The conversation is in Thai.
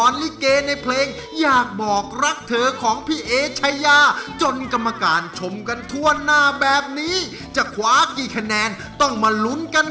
นี่คืออะไรนี่คือน้อยใจหรืออะไร